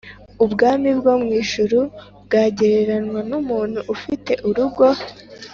”“Ubwami bwo mu ijuru bwagereranywa n’umuntu ufite urugo,